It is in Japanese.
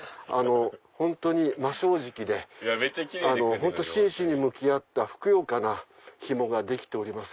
本当に真正直で真摯に向き合ったふくよかな紐ができております。